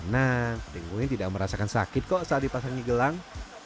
nah pinguin tidak merasakan sakit kok saat dipasang gelang